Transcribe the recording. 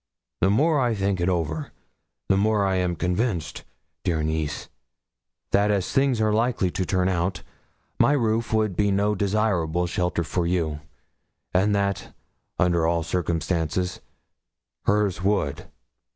The more I think it over, the more am I convinced, dear niece, that as things are likely to turn out, my roof would be no desirable shelter for you; and that, under all circumstances, hers would.